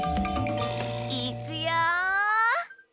いっくよ！